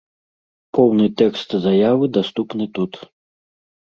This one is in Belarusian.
Поўны тэкст заявы даступны тут.